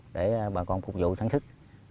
để bà con phục vụ thắng thức